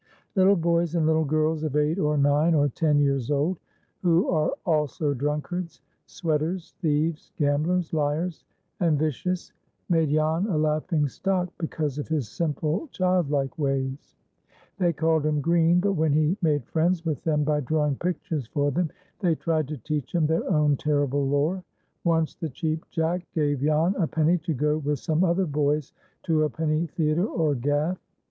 Little boys and little girls of eight or nine or ten years old, who are also drunkards, sweaters, thieves, gamblers, liars, and vicious, made Jan a laughing stock, because of his simple childlike ways. They called him "green;" but, when he made friends with them by drawing pictures for them, they tried to teach him their own terrible lore. Once the Cheap Jack gave Jan a penny to go with some other boys to a penny theatre, or "gaff."